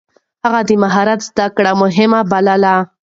هغه د مهارت زده کړه مهمه بلله.